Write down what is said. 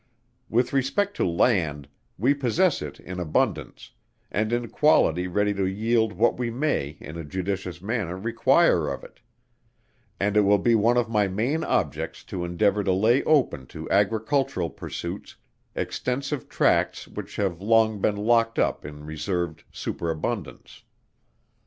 With respect to Land, we possess it in abundance, and in quality ready to yield what we may in a judicious manner require of it; and it will be one of my main objects to endeavour to lay open to Agricultural pursuits, extensive tracts which have long been locked up in reserved superabundance.